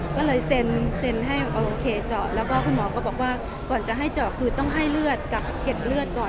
ก็เลยเซ็นให้โอเคเจาะแล้วก็คุณหมอก็บอกว่าก่อนจะให้เจาะคือต้องให้เลือดกับเก็ดเลือดก่อน